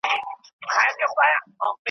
زه به دي پلو له مخي لیري کړم پخلا به سو .